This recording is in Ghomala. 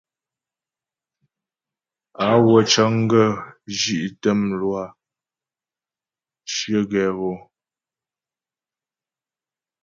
Á wə́ cə́ŋ gə zhí'tə mlwâ cyə̀ gɛ hɔ.